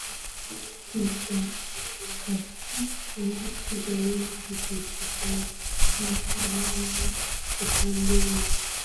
mitakatifu zaidi katika Uislamu Upande wa